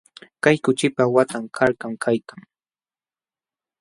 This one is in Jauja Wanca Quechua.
Kay kuchipa waqtan karkam kaykan.